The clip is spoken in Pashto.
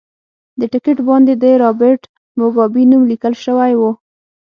د ټکټ باندې د رابرټ موګابي نوم لیکل شوی و.